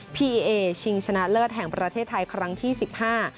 พีเอชิงชนะเลิศแห่งประเทศไทยครั้งที่สิบห้า